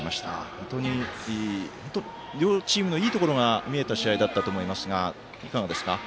本当に両チームのいいところが見えた試合だったと思いますがいかがですか？